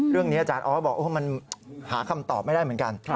เรื่องนี้อาจารย์อ๊อตบอกว่ามันหาคำตอบไม่ได้เหมือนกัน